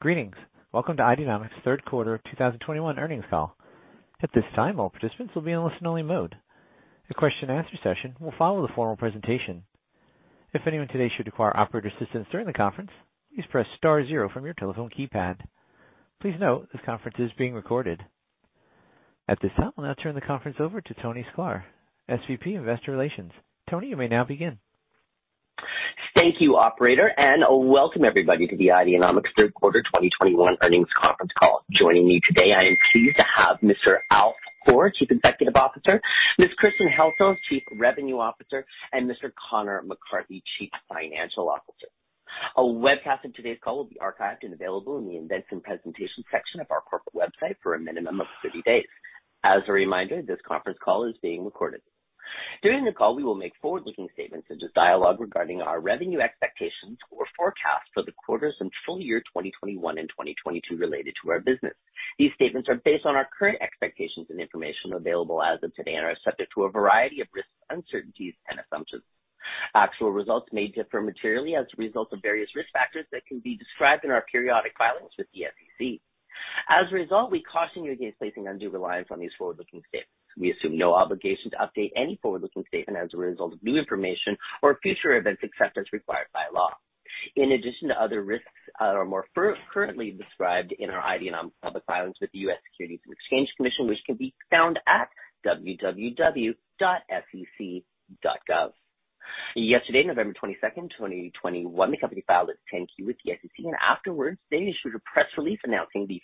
Greetings. Welcome to Ideanomics' third quarter of 2021 earnings call. At this time, all participants will be in listen only mode. The question and answer session will follow the formal presentation. If anyone today should require operator assistance during the conference, please press star zero from your telephone keypad. Please note this conference is being recorded. At this time, I'll now turn the conference over to Tony Sklar, SVP Investor Relations. Tony, you may now begin. Thank you, operator, and welcome everybody to the Ideanomics Q3 2021 earnings conference call. Joining me today, I am pleased to have Mr. Alf Poor, Chief Executive Officer, Ms. Kristen Helsel, Chief Revenue Officer, and Mr. Conor McCarthy, Chief Financial Officer. A webcast of today's call will be archived and available in the Investors Presentation section of our corporate website for a minimum of 30 days. As a reminder, this conference call is being recorded. During the call, we will make forward-looking statements such as dialogue regarding our revenue expectations or forecasts for the quarters and full year 2021 and 2022 related to our business. These statements are based on our current expectations and information available as of today and are subject to a variety of risks, uncertainties, and assumptions. Actual results may differ materially as a result of various risk factors that can be described in our periodic filings with the SEC. As a result, we caution you against placing undue reliance on these forward-looking statements. We assume no obligation to update any forward-looking statement as a result of new information or future events, except as required by law. In addition to other risks, currently described in our Ideanomics public filings with the U.S. Securities and Exchange Commission, which can be found at sec.gov. Yesterday, November 22, 2021, the company filed its 10-K with the SEC, and afterwards they issued a press release announcing the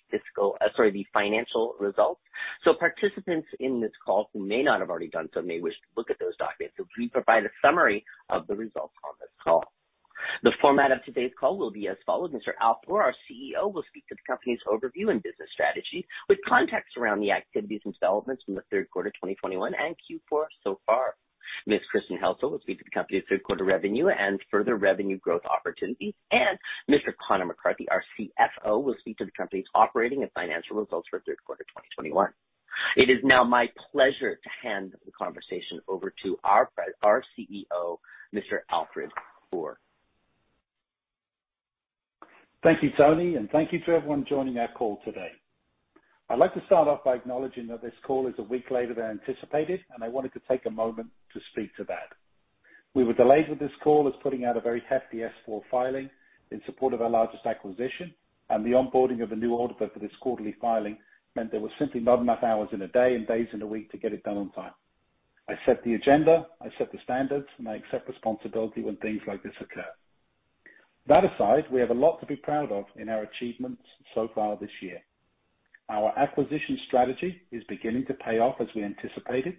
financial results. Participants in this call who may not have already done so may wish to look at those documents as we provide a summary of the results on this call. The format of today's call will be as follows. Mr. Alfred Poor, our CEO, will speak to the company's overview and business strategy with context around the activities and developments from the third quarter 2021 and Q4 so far. Ms. Kristen Helsel will speak to the company's third quarter revenue and further revenue growth opportunities, and Mr. Conor McCarthy, our CFO, will speak to the company's operating and financial results for third quarter 2021. It is now my pleasure to hand the conversation over to our CEO, Mr. Alfred Poor. Thank you, Tony, and thank you to everyone joining our call today. I'd like to start off by acknowledging that this call is a week later than anticipated, and I wanted to take a moment to speak to that. We were delayed with this call as putting out a very hefty S4 filing in support of our largest acquisition and the onboarding of a new auditor for this quarterly filing meant there was simply not enough hours in a day and days in a week to get it done on time. I set the agenda, I set the standards, and I accept responsibility when things like this occur. That aside, we have a lot to be proud of in our achievements so far this year. Our acquisition strategy is beginning to pay off as we anticipated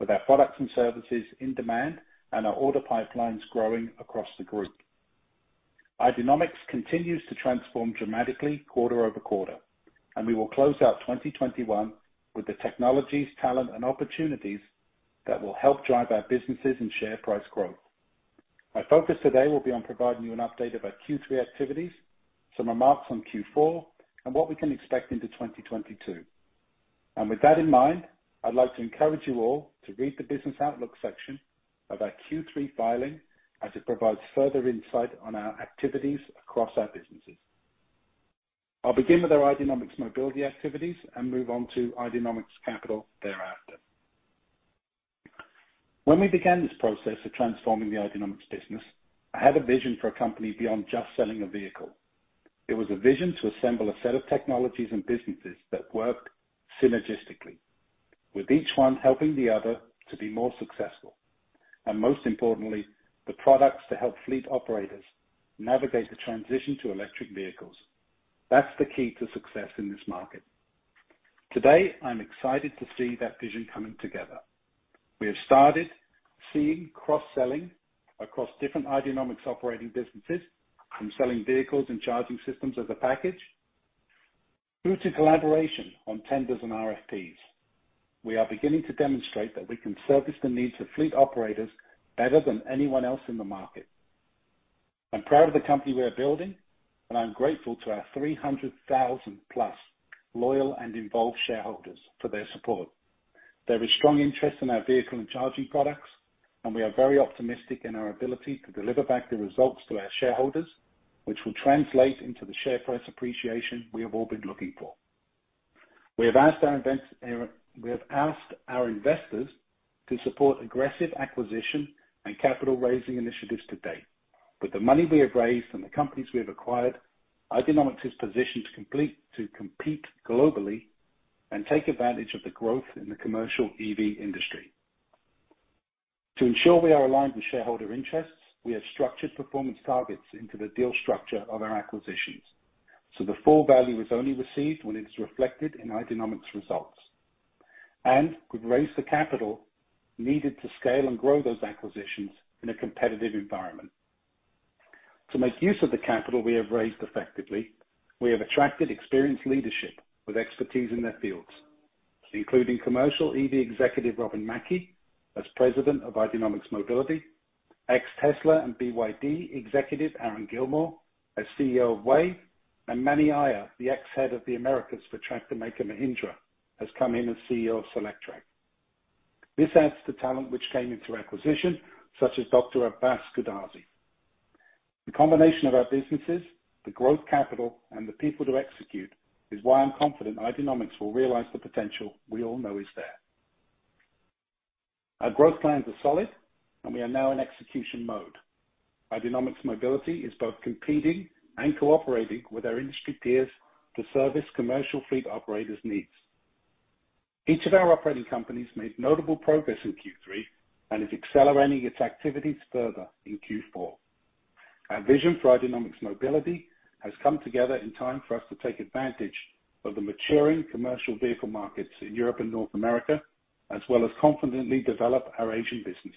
with our products and services in demand and our order pipelines growing across the group. Ideanomics continues to transform dramatically quarter over quarter, and we will close out 2021 with the technologies, talent, and opportunities that will help drive our businesses and share price growth. My focus today will be on providing you an update of our Q3 activities, some remarks on Q4, and what we can expect into 2022. With that in mind, I'd like to encourage you all to read the business outlook section of our Q3 filing as it provides further insight on our activities across our businesses. I'll begin with our Ideanomics Mobility activities and move on to Ideanomics Capital thereafter. When we began this process of transforming the Ideanomics business, I had a vision for a company beyond just selling a vehicle. It was a vision to assemble a set of technologies and businesses that work synergistically with each one helping the other to be more successful, and most importantly, the products to help fleet operators navigate the transition to electric vehicles. That's the key to success in this market. Today, I'm excited to see that vision coming together. We have started seeing cross-selling across different Ideanomics operating businesses from selling vehicles and charging systems as a package through to collaboration on tenders and RFPs. We are beginning to demonstrate that we can service the needs of fleet operators better than anyone else in the market. I'm proud of the company we are building, and I'm grateful to our 300,000-plus loyal and involved shareholders for their support. There is strong interest in our vehicle and charging products, and we are very optimistic in our ability to deliver back the results to our shareholders, which will translate into the share price appreciation we have all been looking for. We have asked our investors to support aggressive acquisition and capital raising initiatives to date. With the money we have raised and the companies we have acquired, Ideanomics is positioned to compete globally and take advantage of the growth in the commercial EV industry. To ensure we are aligned with shareholder interests, we have structured performance targets into the deal structure of our acquisitions, so the full value is only received when it's reflected in Ideanomics results and we've raised the capital needed to scale and grow those acquisitions in a competitive environment. To make use of the capital we have raised effectively, we have attracted experienced leadership with expertise in their fields, including commercial EV executive Robin Mackie as President of Ideanomics Mobility, ex-Tesla and BYD executive Aaron Gillmore as CEO of WAVE, and Mani Iyer, the ex-head of the Americas for tractor maker Mahindra, has come in as CEO of Solectrac. This adds to talent which came into acquisition, such as Dr. Abas Goodarzi. The combination of our businesses, the growth capital, and the people to execute is why I'm confident Ideanomics will realize the potential we all know is there. Our growth plans are solid, and we are now in execution mode. Ideanomics Mobility is both competing and cooperating with our industry peers to service commercial fleet operators' needs. Each of our operating companies made notable progress in Q3 and is accelerating its activities further in Q4. Our vision for Ideanomics Mobility has come together in time for us to take advantage of the maturing commercial vehicle markets in Europe and North America, as well as confidently develop our Asian business.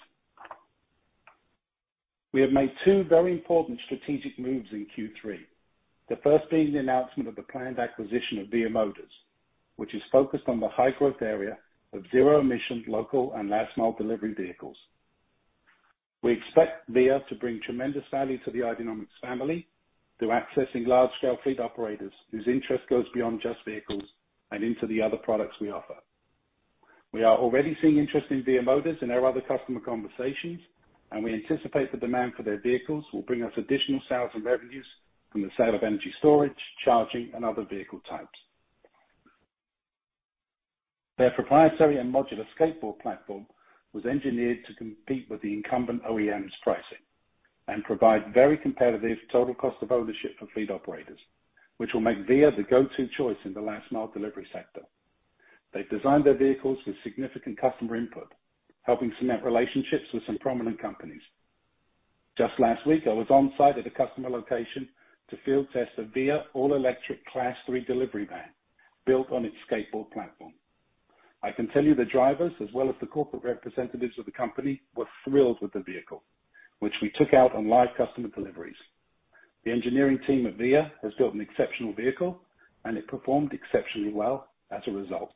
We have made two very important strategic moves in Q3. The first being the announcement of the planned acquisition of VIA Motors, which is focused on the high-growth area of zero-emission local and last-mile delivery vehicles. We expect VIA Motors to bring tremendous value to the Ideanomics family through accessing large-scale fleet operators whose interest goes beyond just vehicles and into the other products we offer. We are already seeing interest in VIA Motors in our other customer conversations, and we anticipate the demand for their vehicles will bring us additional sales and revenues from the sale of energy storage, charging, and other vehicle types. Their proprietary and modular skateboard platform was engineered to compete with the incumbent OEMs pricing and provide very competitive total cost of ownership for fleet operators, which will make VIA the go-to choice in the last mile delivery sector. They've designed their vehicles with significant customer input, helping cement relationships with some prominent companies. Just last week, I was on-site at a customer location to field test the VIA all-electric Class three delivery van built on its skateboard platform. I can tell you the drivers, as well as the corporate representatives of the company, were thrilled with the vehicle, which we took out on live customer deliveries. The engineering team at VIA has built an exceptional vehicle, and it performed exceptionally well as a result.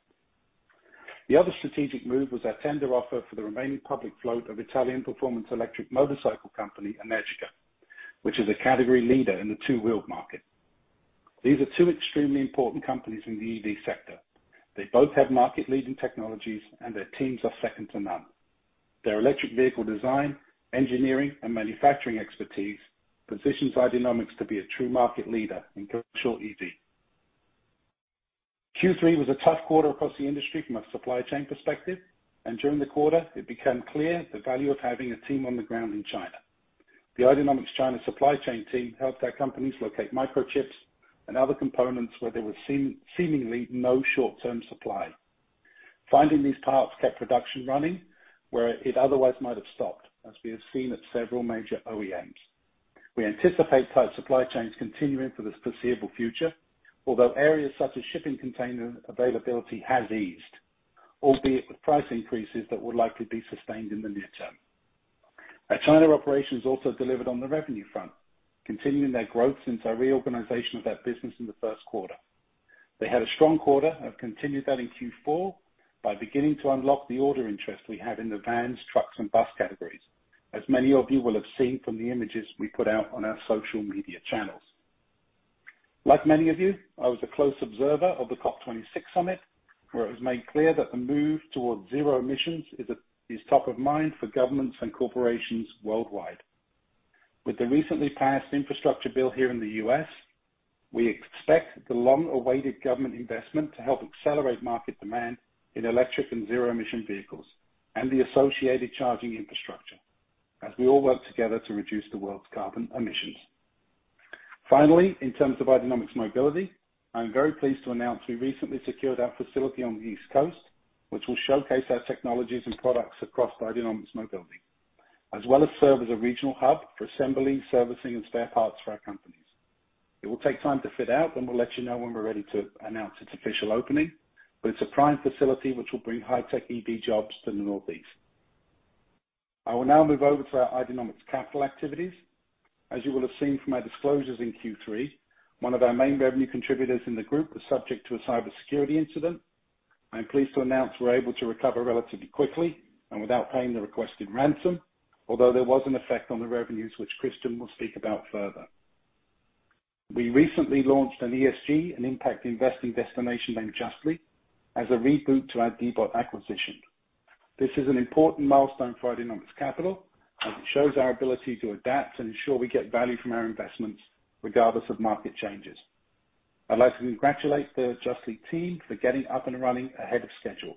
The other strategic move was our tender offer for the remaining public float of Italian performance electric motorcycle company, Energica, which is a category leader in the two-wheeled market. These are two extremely important companies in the EV sector. They both have market-leading technologies, and their teams are second to none. Their electric vehicle design, engineering, and manufacturing expertise positions Ideanomics to be a true market leader in commercial EV. Q3 was a tough quarter across the industry from a supply chain perspective, and during the quarter, it became clear the value of having a team on the ground in China. The Ideanomics China supply chain team helped our companies locate microchips and other components where there was seemingly no short-term supply. Finding these parts kept production running where it otherwise might have stopped, as we have seen at several major OEMs. We anticipate tight supply chains continuing for the foreseeable future, although areas such as shipping container availability has eased, albeit with price increases that will likely be sustained in the near term. Our China operations also delivered on the revenue front, continuing their growth since our reorganization of that business in the first quarter. They had a strong quarter and have continued that in Q4 by beginning to unlock the order interest we have in the vans, trucks, and bus categories, as many of you will have seen from the images we put out on our social media channels. Like many of you, I was a close observer of the COP26 summit, where it was made clear that the move towards zero emissions is top of mind for governments and corporations worldwide. With the recently passed infrastructure bill here in the U.S., we expect the long-awaited government investment to help accelerate market demand in electric and zero-emission vehicles and the associated charging infrastructure as we all work together to reduce the world's carbon emissions. Finally, in terms of Ideanomics Mobility, I am very pleased to announce we recently secured our facility on the East Coast, which will showcase our technologies and products across Ideanomics Mobility, as well as serve as a regional hub for assembly, servicing, and spare parts for our companies. It will take time to fit out, and we'll let you know when we're ready to announce its official opening, but it's a prime facility which will bring high-tech EV jobs to the Northeast. I will now move over to our Ideanomics Capital activities. As you will have seen from our disclosures in Q3, one of our main revenue contributors in the group was subject to a cybersecurity incident. I am pleased to announce we're able to recover relatively quickly and without paying the requested ransom, although there was an effect on the revenues which Kristen will speak about further. We recently launched an ESG and impact investing destination named Justly as a reboot to our Depot acquisition. This is an important milestone for Ideanomics Capital as it shows our ability to adapt and ensure we get value from our investments regardless of market changes. I'd like to congratulate the Justly team for getting up and running ahead of schedule.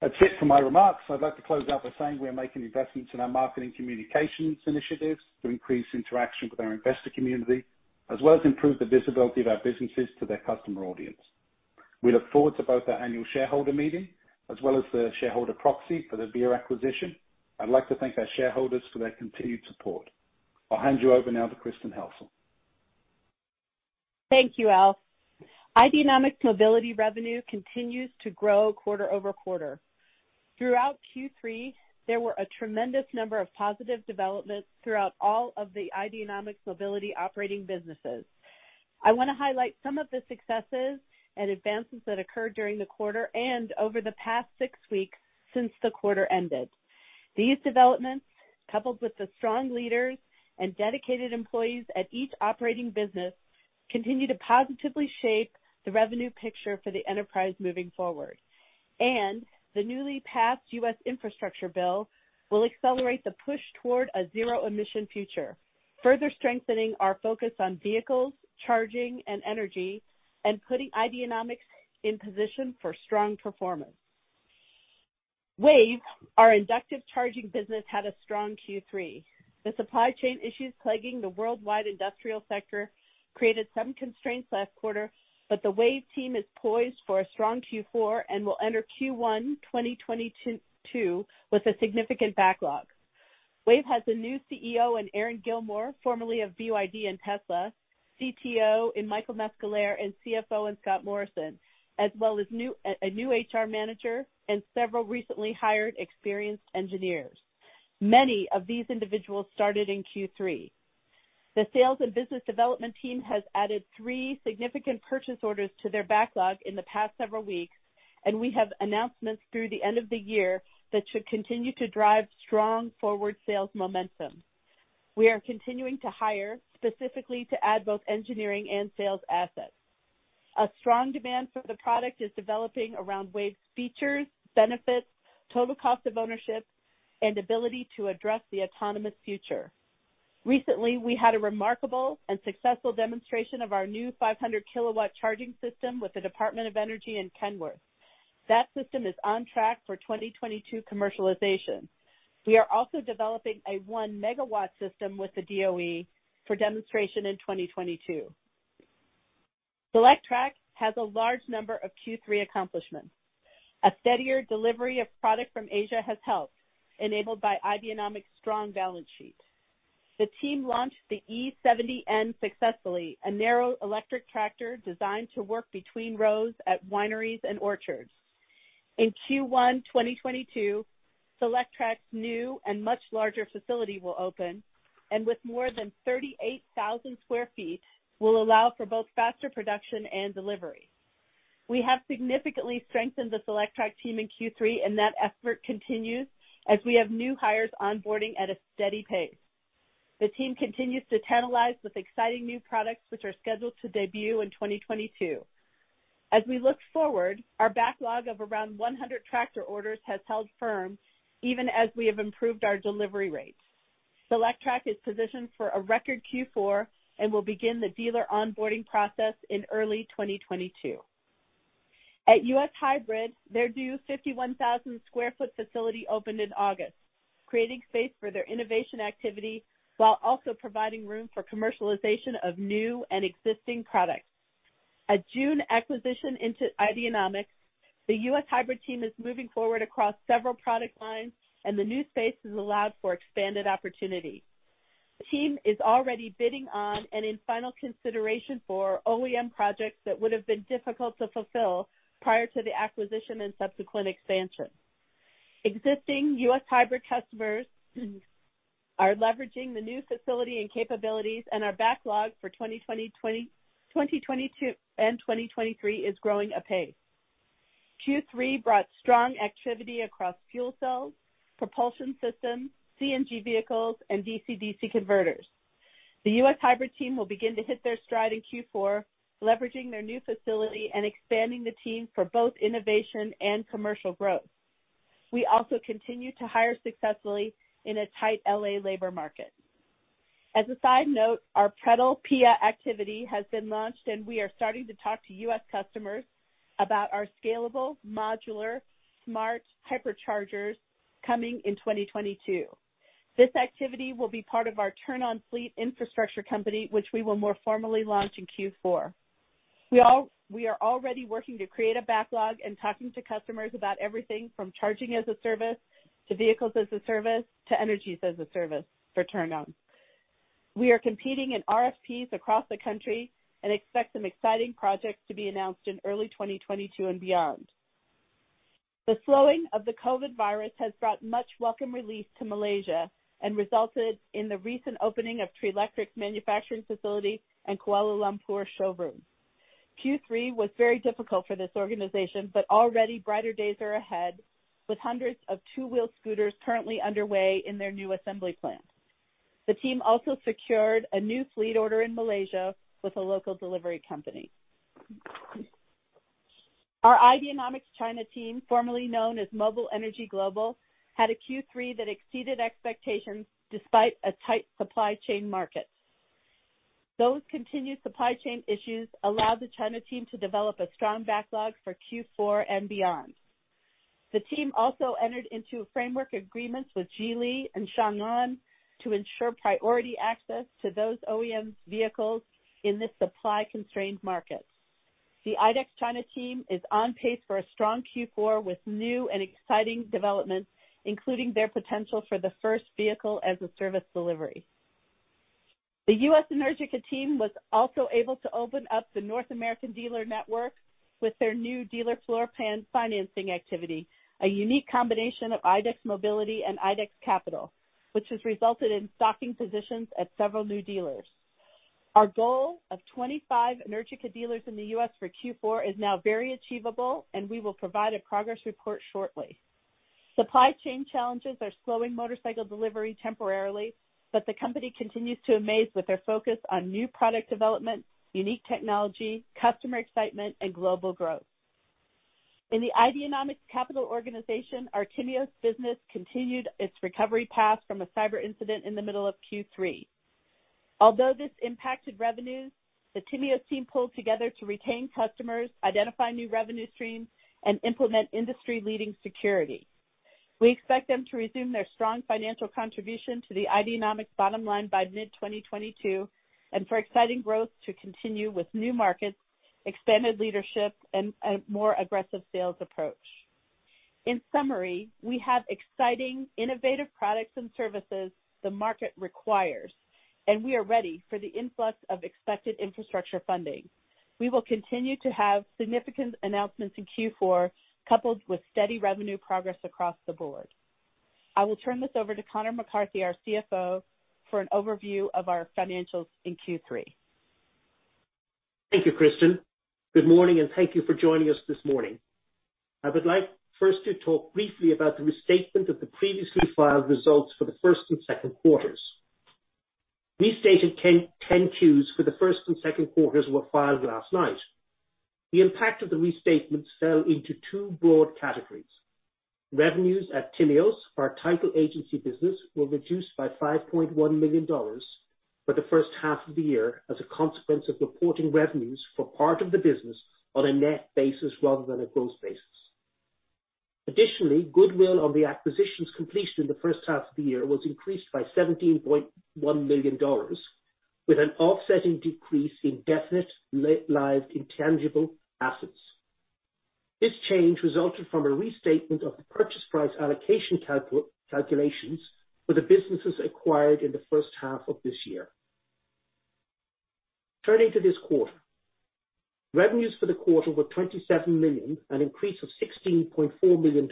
That's it for my remarks. I'd like to close out by saying we are making investments in our marketing communications initiatives to increase interaction with our investor community, as well as improve the visibility of our businesses to their customer audience. We look forward to both our annual shareholder meeting as well as the shareholder proxy for the VIA acquisition. I'd like to thank our shareholders for their continued support. I'll hand you over now to Kristen Helsel. Thank you, Alf. Ideanomics Mobility revenue continues to grow quarter over quarter. Throughout Q3, there were a tremendous number of positive developments throughout all of the Ideanomics Mobility operating businesses. I wanna highlight some of the successes and advances that occurred during the quarter and over the past six weeks since the quarter ended. These developments, coupled with the strong leaders and dedicated employees at each operating business, continue to positively shape the revenue picture for the enterprise moving forward. The newly passed U.S. infrastructure bill will accelerate the push toward a zero-emission future, further strengthening our focus on vehicles, charging and energy, and putting Ideanomics in position for strong performance. WAVE, our inductive charging business, had a strong Q3. The supply chain issues plaguing the worldwide industrial sector created some constraints last quarter, but the WAVE team is poised for a strong Q4 and will enter Q1 2022 with a significant backlog. WAVE has a new CEO in Aaron Gillmore, formerly of BYD and Tesla, CTO in Michael Masquelier, and CFO in Scott Morrison, as well as a new HR manager and several recently hired experienced engineers. Many of these individuals started in Q3. The sales and business development team has added three significant purchase orders to their backlog in the past several weeks, and we have announcements through the end of the year that should continue to drive strong forward sales momentum. We are continuing to hire specifically to add both engineering and sales assets. A strong demand for the product is developing around WAVE's features, benefits, total cost of ownership, and ability to address the autonomous future. Recently, we had a remarkable and successful demonstration of our new 500-kW charging system with the Department of Energy and Kenworth. That system is on track for 2022 commercialization. We are also developing a one megawatt system with the DOE for demonstration in 2022. Solectrac has a large number of Q3 accomplishments. A steadier delivery of product from Asia has helped, enabled by Ideanomics' strong balance sheet. The team launched the e70N successfully, a narrow electric tractor designed to work between rows at wineries and orchards. In Q1 2022, Solectrac's new and much larger facility will open, and with more than 38,000 sq ft, will allow for both faster production and delivery. We have significantly strengthened the Solectrac team in Q3, and that effort continues as we have new hires onboarding at a steady pace. The team continues to tantalize with exciting new products, which are scheduled to debut in 2022. As we look forward, our backlog of around 100 tractor orders has held firm even as we have improved our delivery rates. Solectrac is positioned for a record Q4 and will begin the dealer onboarding process in early 2022. At US Hybrid, their new 51,000 sq ft facility opened in August, creating space for their innovation activity while also providing room for commercialization of new and existing products. A June acquisition into Ideanomics, the US Hybrid team is moving forward across several product lines, and the new space has allowed for expanded opportunity. The team is already bidding on and in final consideration for OEM projects that would have been difficult to fulfill prior to the acquisition and subsequent expansion. Existing US Hybrid customers are leveraging the new facility and capabilities, and our backlog for 2020, 2021, 2022, and 2023 is growing apace. Q3 brought strong activity across fuel cells, propulsion systems, CNG vehicles, and DC-DC converters. The US Hybrid team will begin to hit their stride in Q4, leveraging their new facility and expanding the team for both innovation and commercial growth. We also continue to hire successfully in a tight L.A. labor market. As a side note, our Prettl PIA activity has been launched, and we are starting to talk to U.S. customers about our scalable, modular, smart Hyperchargers coming in 2022. This activity will be part of our Turn On Fleet infrastructure company, which we will more formally launch in Q4. We are already working to create a backlog and talking to customers about everything from charging-as-a-service to vehicles-as-a-service to energies-as-a-service for Turn On. We are competing in RFPs across the country and expect some exciting projects to be announced in early 2022 and beyond. The slowing of the COVID virus has brought much welcome relief to Malaysia and resulted in the recent opening of Treeletrik's manufacturing facility and Kuala Lumpur showroom. Q3 was very difficult for this organization, but already brighter days are ahead, with hundreds of two-wheeled scooters currently underway in their new assembly plant. The team also secured a new fleet order in Malaysia with a local delivery company. Our IDEX China team, formerly known as Mobile Energy Global, had a Q3 that exceeded expectations despite a tight supply chain market. Those continued supply chain issues allowed the China team to develop a strong backlog for Q4 and beyond. The team also entered into framework agreements with Geely and Changan to ensure priority access to those OEMs' vehicles in this supply-constrained market. The IDEX China team is on pace for a strong Q4 with new and exciting developments, including their potential for the first vehicle-as-a-service delivery. The U.S. Energica team was also able to open up the North American dealer network with their new dealer floor plan financing activity, a unique combination of IDEX Mobility and IDEX Capital, which has resulted in stocking positions at several new dealers. Our goal of 25 Energica dealers in the U.S. for Q4 is now very achievable and we will provide a progress report shortly. Supply chain challenges are slowing motorcycle delivery temporarily, but the company continues to amaze with their focus on new product development, unique technology, customer excitement, and global growth. In the Ideanomics Capital organization, our Timios business continued its recovery path from a cyber incident in the middle of Q3. Although this impacted revenues, the Timios team pulled together to retain customers, identify new revenue streams, and implement industry-leading security. We expect them to resume their strong financial contribution to the Ideanomics bottom line by mid-2022, and for exciting growth to continue with new markets, expanded leadership, and a more aggressive sales approach. In summary, we have exciting innovative products and services the market requires, and we are ready for the influx of expected infrastructure funding. We will continue to have significant announcements in Q4, coupled with steady revenue progress across the board. I will turn this over to Conor McCarthy, our CFO, for an overview of our financials in Q3. Thank you, Kristen. Good morning, and thank you for joining us this morning. I would like first to talk briefly about the restatement of the previously filed results for the first and second quarters. Restated 10-Qs for the first and second quarters were filed last night. The impact of the restatements fell into two broad categories. Revenues at Timios, our title agency business, were reduced by $5.1 million for the first half of the year as a consequence of reporting revenues for part of the business on a net basis rather than a gross basis. Additionally, goodwill on the acquisitions completed in the first half of the year was increased by $17.1 million with an offsetting decrease in definite-lived intangible assets. This change resulted from a restatement of the purchase price allocation calculations for the businesses acquired in the first half of this year. Turning to this quarter. Revenues for the quarter were $27 million, an increase of $16.4 million.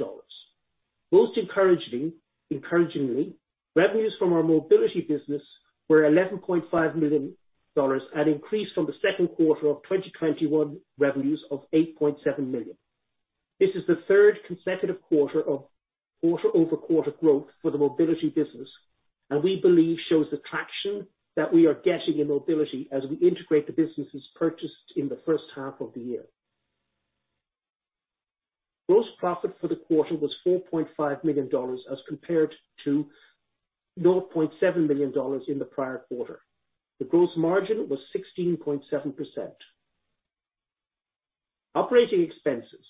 Most encouragingly, revenues from our mobility business were $11.5 million, an increase from the second quarter of 2021 revenues of $8.7 million. This is the third consecutive quarter of quarter-over-quarter growth for the mobility business and we believe shows the traction that we are getting in mobility as we integrate the businesses purchased in the first half of the year. Gross profit for the quarter was $4.5 million as compared to $4.7 million in the prior quarter. The gross margin was 16.7%. Operating expenses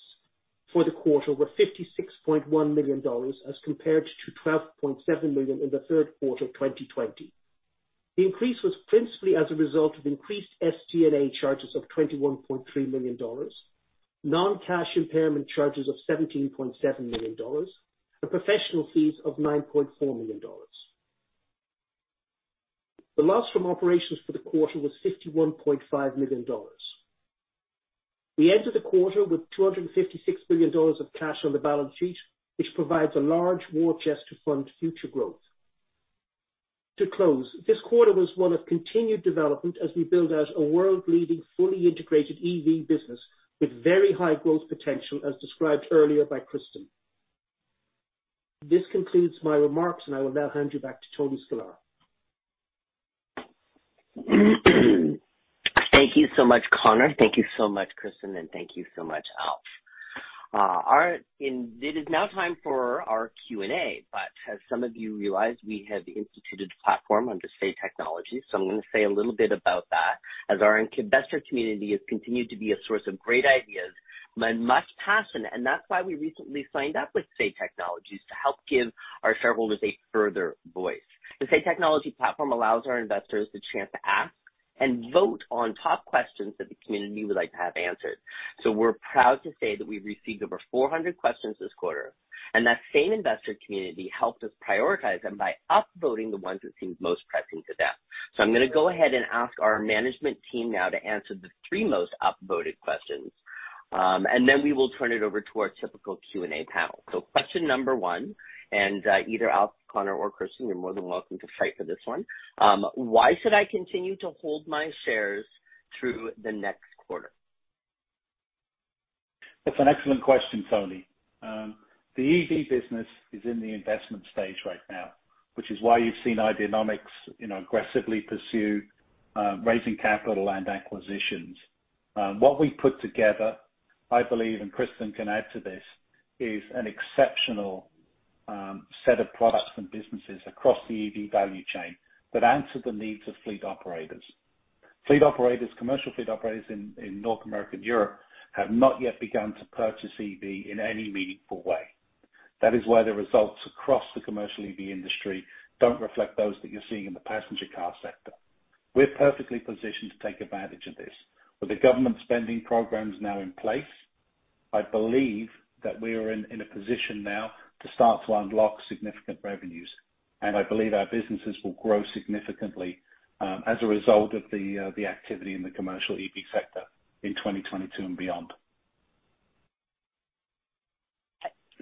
for the quarter were $56.1 million as compared to $12.7 million in the third quarter of 2020. The increase was principally as a result of increased SG&A charges of $21.3 million, non-cash impairment charges of $17.7 million, and professional fees of $9.4 million. The loss from operations for the quarter was $51.5 million. We entered the quarter with $256 million of cash on the balance sheet, which provides a large war chest to fund future growth. To close, this quarter was one of continued development as we build out a world-leading, fully integrated EV business with very high growth potential as described earlier by Kristen. This concludes my remarks, and I will now hand you back to Tony Sklar. Thank you so much, Conor. Thank you so much, Kristen, and thank you so much, Alf. It is now time for our Q&A, but as some of you realize, we have instituted a platform under Say Technologies. I'm gonna say a little bit about that. As our investor community has continued to be a source of great ideas and much passion, and that's why we recently signed up with Say Technologies to help give our shareholders a further voice. The Say Technologies platform allows our investors the chance to ask and vote on top questions that the community would like to have answered. We're proud to say that we received over 400 questions this quarter, and that same investor community helped us prioritize them by upvoting the ones that seemed most pressing to them. I'm gonna go ahead and ask our management team now to answer the three most upvoted questions, and then we will turn it over to our typical Q&A panel. Question number one, either Alf, Conor or Kristen, you're more than welcome to fight for this one. Why should I continue to hold my shares through the next quarter? That's an excellent question, Tony. The EV business is in the investment stage right now, which is why you've seen Ideanomics, you know, aggressively pursue raising capital and acquisitions. What we put together, I believe, and Kristen can add to this, is an exceptional set of products and businesses across the EV value chain that answer the needs of fleet operators. Fleet operators, commercial fleet operators in North America and Europe have not yet begun to purchase EV in any meaningful way. That is why the results across the commercial EV industry don't reflect those that you're seeing in the passenger car sector. We're perfectly positioned to take advantage of this. With the government spending programs now in place, I believe that we are in a position now to start to unlock significant revenues, and I believe our businesses will grow significantly, as a result of the activity in the commercial EV sector in 2022 and beyond.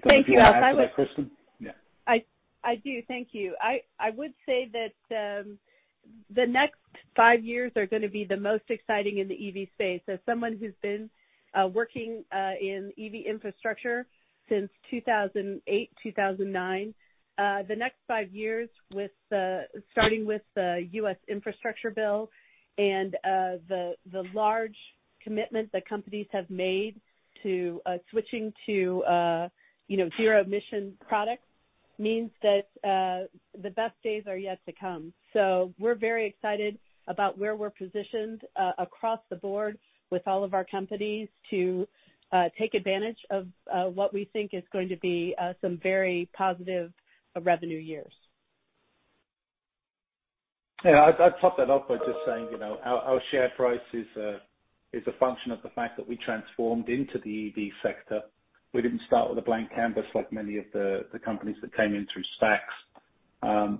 Thank you, Rob. Kristen? Yeah. I do. Thank you. I would say that the next five years are gonna be the most exciting in the EV space. As someone who's been working in EV infrastructure since 2008, 2009, the next five years starting with the U.S. infrastructure bill and the large commitment that companies have made to switching to you know zero-emission products means that the best days are yet to come. We're very excited about where we're positioned across the board with all of our companies to take advantage of what we think is going to be some very positive revenue years. Yeah. I'd top that off by just saying, you know, our share price is a function of the fact that we transformed into the EV sector. We didn't start with a blank canvas like many of the companies that came in through SPACs.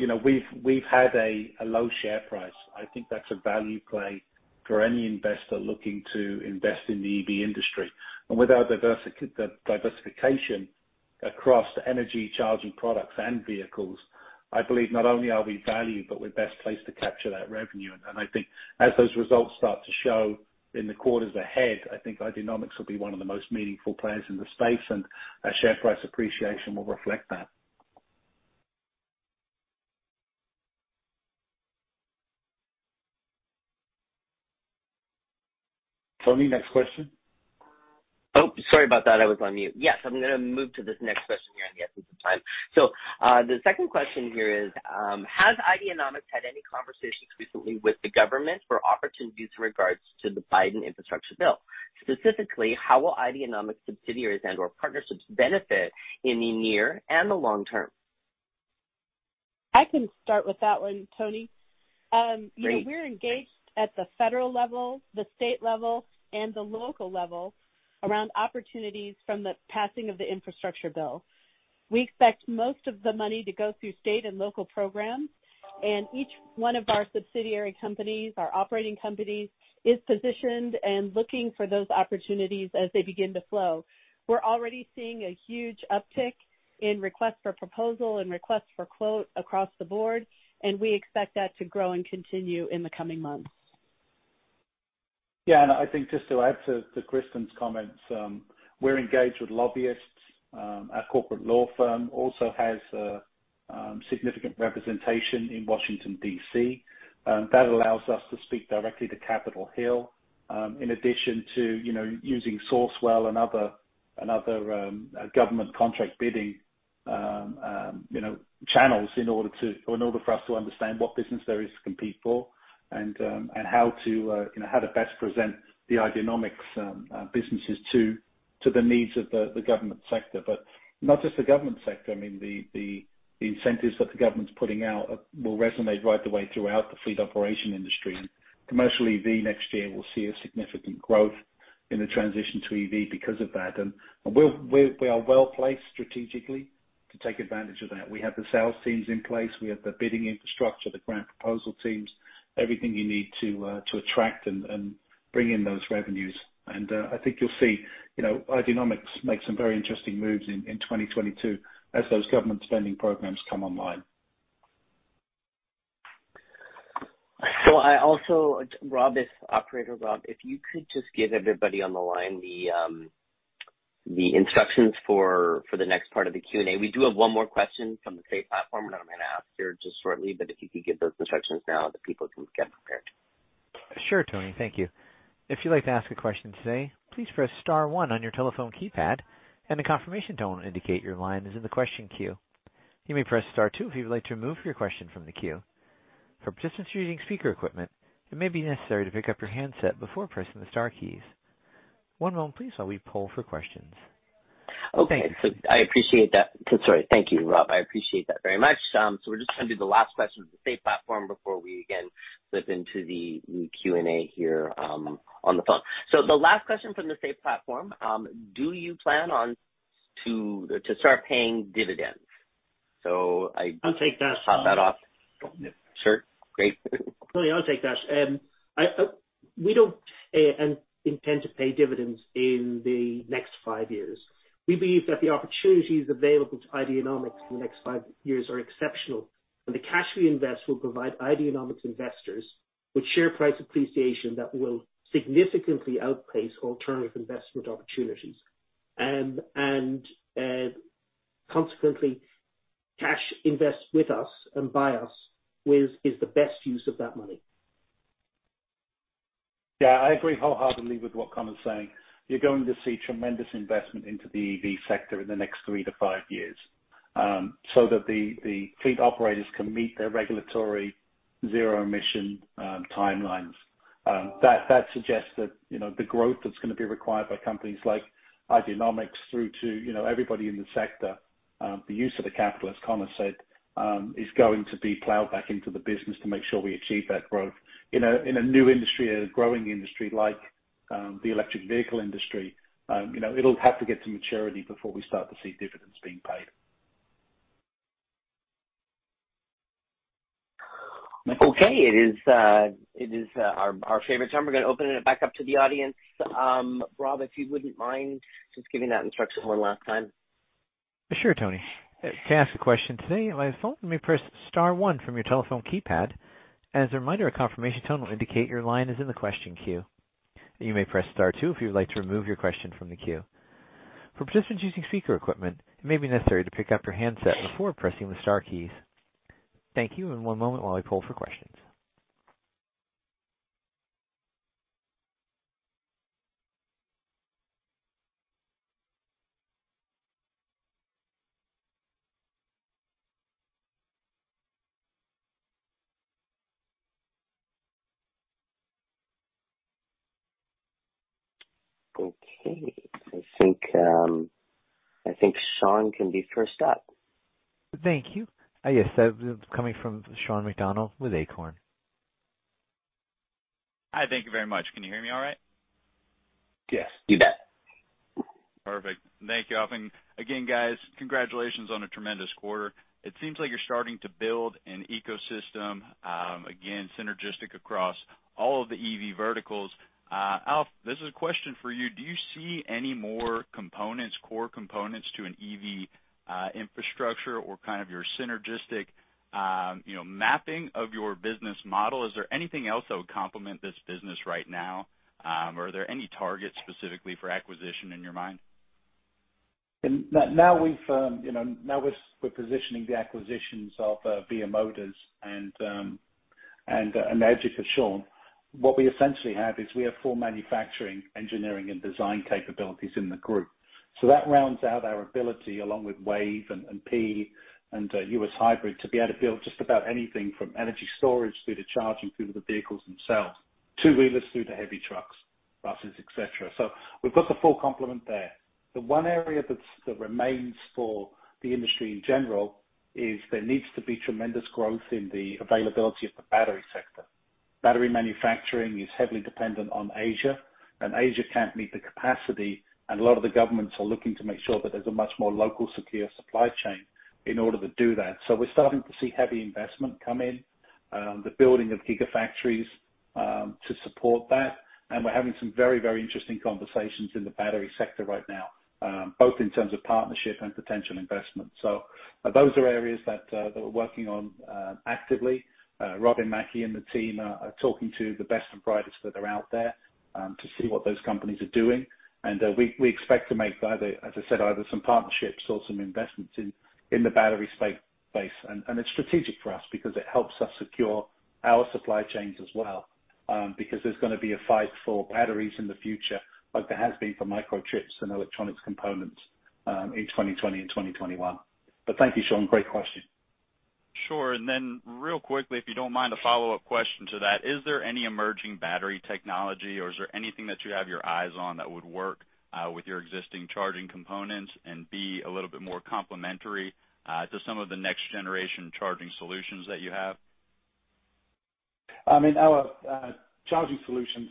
You know, we've had a low share price. I think that's a value play for any investor looking to invest in the EV industry. With our diversification across energy charging products and vehicles, I believe not only are we valued, but we're best placed to capture that revenue. I think as those results start to show in the quarters ahead, I think Ideanomics will be one of the most meaningful players in the space, and our share price appreciation will reflect that. Tony, next question. Oh, sorry about that, I was on mute. Yes, I'm gonna move to this next question here in the absence of time. The second question here is, has Ideanomics had any conversations recently with the government for opportunities in regards to the Biden infrastructure bill? Specifically, how will Ideanomics subsidiaries and/or partnerships benefit in the near and the long term? I can start with that one, Tony. Great. You know, we're engaged at the federal level, the state level, and the local level around opportunities from the passing of the infrastructure bill. We expect most of the money to go through state and local programs, and each one of our subsidiary companies, our operating companies, is positioned and looking for those opportunities as they begin to flow. We're already seeing a huge uptick in requests for proposals and requests for quotes across the board, and we expect that to grow and continue in the coming months. Yeah. I think just to add to Kristen's comments, we're engaged with lobbyists. Our corporate law firm also has significant representation in Washington, D.C. that allows us to speak directly to Capitol Hill. In addition to, you know, using Sourcewell and other government contract bidding, you know, channels in order for us to understand what business there is to compete for and how to, you know, how to best present the Ideanomics businesses to the needs of the government sector. Not just the government sector, I mean, the incentives that the government's putting out will resonate right the way throughout the fleet operation industry. Commercial EV next year will see a significant growth in the transition to EV because of that. We are well-placed strategically to take advantage of that. We have the sales teams in place. We have the bidding infrastructure, the grant proposal teams, everything you need to attract and bring in those revenues. I think you'll see, you know, Ideanomics make some very interesting moves in 2022 as those government spending programs come online. I also, Operator Rob, if you could just give everybody on the line the instructions for the next part of the Q&A. We do have one more question from the Say platform, and I'm gonna ask here just shortly, but if you could give those instructions now that people can get prepared. Sure, Tony. Thank you. If you'd like to ask a question today, please press star one on your telephone keypad, and a confirmation tone will indicate your line is in the question queue. You may press star two if you would like to remove your question from the queue. For participants who are using speaker equipment, it may be necessary to pick up your handset before pressing the star keys. One moment please while we poll for questions. Okay. I appreciate that. Sorry. Thank you, Rob. I appreciate that very much. We're just gonna do the last question from the Say platform before we again slip into the Q&A here on the phone. The last question from the Say platform, do you plan to start paying dividends? I- I'll take that. Top that off. Sure. Great. Tony, I'll take that. We don't intend to pay dividends in the next five years. We believe that the opportunities available to Ideanomics in the next five years are exceptional, and the cash we invest will provide Ideanomics investors with share price appreciation that will significantly outpace alternative investment opportunities. Consequently, cash invested with us and buying us is the best use of that money. Yeah. I agree wholeheartedly with what Conor is saying. You're going to see tremendous investment into the EV sector in the next three-five years so that the fleet operators can meet their regulatory zero-emission timelines. That suggests that, you know, the growth that's gonna be required by companies like Ideanomics through to, you know, everybody in the sector, the use of the capital, as Conor said, is going to be plowed back into the business to make sure we achieve that growth. In a new industry and a growing industry like the electric vehicle industry, you know, it'll have to get to maturity before we start to see dividends being paid. Okay. It is our favorite time. We're gonna open it back up to the audience. Rob, if you wouldn't mind just giving that instruction one last time. Sure, Tony. To ask a question today by phone, you may press star one from your telephone keypad. As a reminder, a confirmation tone will indicate your line is in the question queue. You may press star two if you would like to remove your question from the queue. For participants using speaker equipment, it may be necessary to pick up your handset before pressing the star keys. Thank you, and one moment while we poll for questions. Okay. I think Sean can be first up. Thank you. Yes, coming from Sean McDonald with Acorn. Hi, thank you very much. Can you hear me all right? Yes. You bet. Perfect. Thank you, Alf. Again, guys, congratulations on a tremendous quarter. It seems like you're starting to build an ecosystem, again, synergistic across all of the EV verticals. Alf, this is a question for you. Do you see any more components, core components to an EV, infrastructure or kind of your synergistic, you know, mapping of your business model? Is there anything else that would complement this business right now? Are there any targets specifically for acquisition in your mind? Now we've, you know, now we're positioning the acquisitions of VIA Motors and Energica. What we essentially have is we have full manufacturing, engineering, and design capabilities in the group. That rounds out our ability along with WAVE and PEA and US Hybrid to be able to build just about anything from energy storage through to charging through to the vehicles themselves, two-wheelers through to heavy trucks, buses, et cetera. We've got the full complement there. The one area that's remains for the industry in general is there needs to be tremendous growth in the availability of the battery sector. Battery manufacturing is heavily dependent on Asia, and Asia can't meet the capacity, and a lot of the governments are looking to make sure that there's a much more local secure supply chain in order to do that. We're starting to see heavy investment come in, the building of gigafactories, to support that. We're having some very, very interesting conversations in the battery sector right now, both in terms of partnership and potential investment. Those are areas that we're working on actively. Robin Mackie and the team are talking to the best and brightest that are out there, to see what those companies are doing. We expect to make either, as I said, either some partnerships or some investments in the battery space. It's strategic for us because it helps us secure our supply chains as well, because there's gonna be a fight for batteries in the future like there has been for microchips and electronics components, in 2020 and 2021. Thank you, Sean. Great question. Sure. Real quickly, if you don't mind, a follow-up question to that. Is there any emerging battery technology or is there anything that you have your eyes on that would work, with your existing charging components and be a little bit more complementary, to some of the next generation charging solutions that you have? I mean, our charging solutions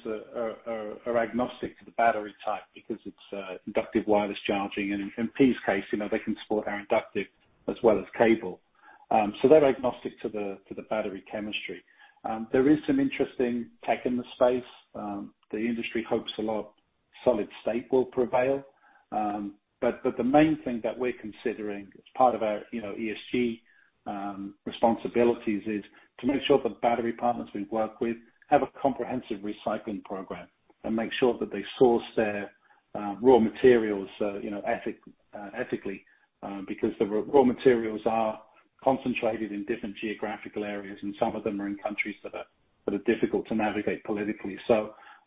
are agnostic to the battery type because it's inductive wireless charging. In PEA's case, you know, they can support our inductive as well as cable. They're agnostic to the battery chemistry. There is some interesting tech in the space. The industry hopes a lot solid-state will prevail. The main thing that we're considering as part of our, you know, ESG responsibilities is to make sure the battery partners we work with have a comprehensive recycling program and make sure that they source their raw materials, you know, ethically, because the raw materials are concentrated in different geographical areas, and some of them are in countries that are difficult to navigate politically.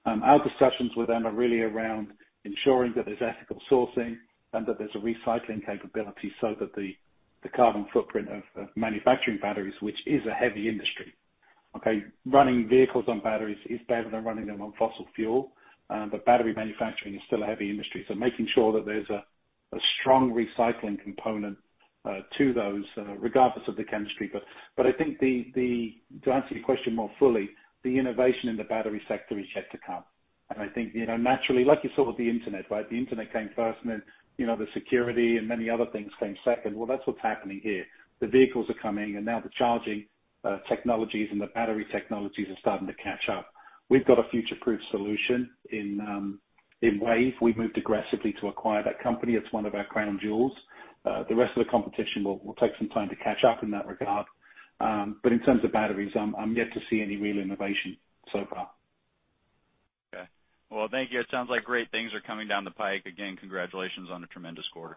Our discussions with them are really around ensuring that there's ethical sourcing and that there's a recycling capability so that the carbon footprint of manufacturing batteries, which is a heavy industry. Okay, running vehicles on batteries is better than running them on fossil fuel, but battery manufacturing is still a heavy industry. Making sure that there's a strong recycling component to those, regardless of the chemistry. I think to answer your question more fully, the innovation in the battery sector is yet to come. I think, you know, naturally, like you saw with the internet, right? The internet came first, and then, you know, the security and many other things came second. Well, that's what's happening here. The vehicles are coming, and now the charging technologies and the battery technologies are starting to catch up. We've got a future-proof solution in WAVE. We've moved aggressively to acquire that company. It's one of our crown jewels. The rest of the competition will take some time to catch up in that regard. But in terms of batteries, I'm yet to see any real innovation so far. Okay. Well, thank you. It sounds like great things are coming down the pike. Again, congratulations on a tremendous quarter.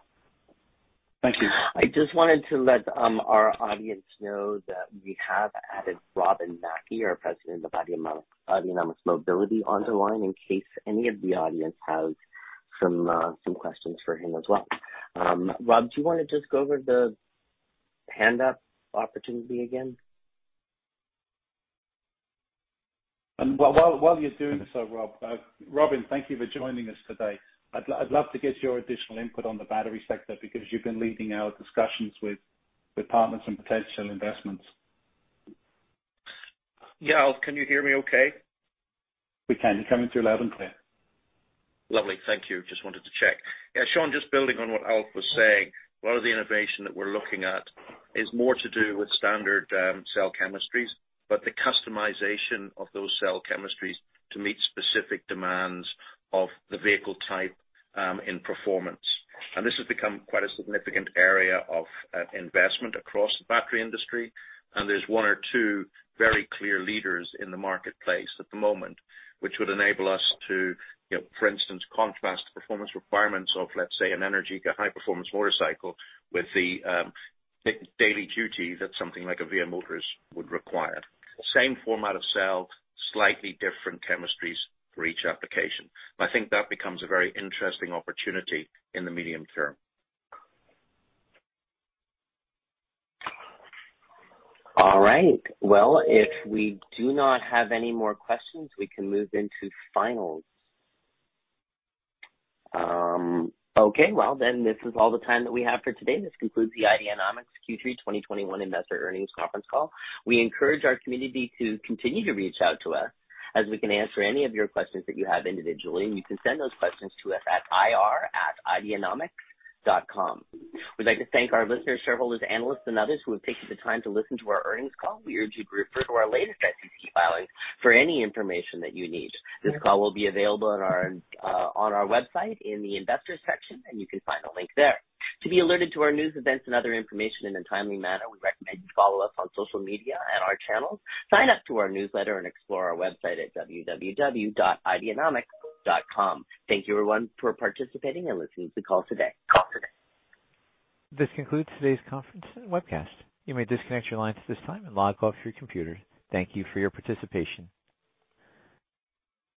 Thank you. I just wanted to let our audience know that we have added Robin Mackie, our President of Ideanomics Mobility, on the line in case any of the audience has some questions for him as well. Rob, do you wanna just go over the hand up opportunity again? While you're doing so, Robin, thank you for joining us today. I'd love to get your additional input on the battery sector because you've been leading our discussions with partners and potential investments. Yeah. Alf, can you hear me okay? We can. You're coming through loud and clear. Lovely. Thank you. Just wanted to check. Yeah, Sean, just building on what Alf was saying, a lot of the innovation that we're looking at is more to do with standard cell chemistries, but the customization of those cell chemistries to meet specific demands of the vehicle type in performance. This has become quite a significant area of investment across the battery industry, and there's one or two very clear leaders in the marketplace at the moment, which would enable us to, you know, for instance, contrast the performance requirements of, let's say, an Energica high-performance motorcycle with the daily duty that something like a VIA Motors would require. Same format of cell, slightly different chemistries for each application. I think that becomes a very interesting opportunity in the medium term. All right. Well, if we do not have any more questions, we can move into finals. Okay. Well, then this is all the time that we have for today. This concludes the Ideanomics Q3 2021 Investor Earnings Conference Call. We encourage our community to continue to reach out to us, as we can answer any of your questions that you have individually, and you can send those questions to us at ir@ideanomics.com. We'd like to thank our listeners, shareholders, analysts, and others who have taken the time to listen to our earnings call. We urge you to refer to our latest SEC filings for any information that you need. This call will be available on our website in the Investors section, and you can find a link there. To be alerted to our news, events, and other information in a timely manner, we recommend you follow us on social media at our channels. Sign up to our newsletter and explore our website at www.ideanomics.com. Thank you, everyone, for participating and listening to the call today. This concludes today's conference and webcast. You may disconnect your lines at this time and log off your computers. Thank you for your participation.